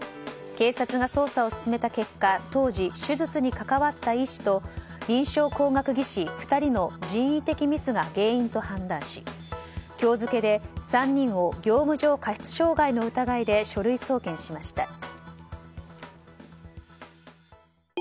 警察が捜査を進めた結果当時、手術に関わった医師と臨床工学技士２人の人為的ミスが原因と判断し今日付で３人を業務上過失傷害の疑いで書類送検しました。